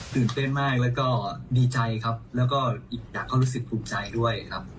ตื่นเต้นมากแล้วก็ดีใจครับแล้วก็อีกอย่างก็รู้สึกภูมิใจด้วยครับ